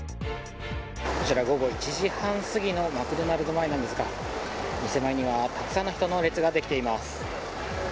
こちら午後１時半過ぎのマクドナルド前なんですが店前にはたくさんの人の列ができています。